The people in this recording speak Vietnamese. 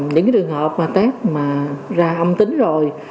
những trường hợp mà test mà ra âm tính rồi